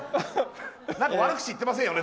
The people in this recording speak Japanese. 何か悪口言ってませんよね。